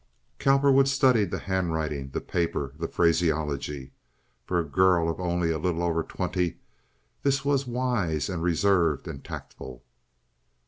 Cowperwood studied the handwriting, the paper, the phraseology. For a girl of only a little over twenty this was wise and reserved and tactful.